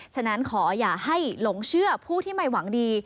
ฉะนั้นขออย่าให้หลงเชื่อผู้ที่ไม่หวังดี